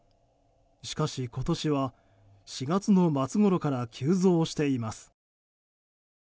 しかし今年は４月の末ごろから急増しています。